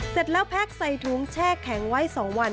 เสร็จแล้วแพ็กใส่ถุงแช่แข็งไว้๒วัน